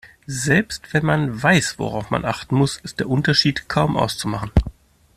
Selbst wenn man weiß, worauf man achten muss, ist der Unterschied kaum auszumachen.